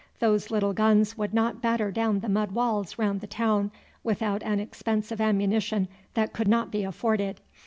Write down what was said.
"Those little guns would not batter down the mud walls round the town without an expense of ammunition that could not be afforded.